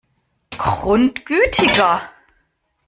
Grundgütiger!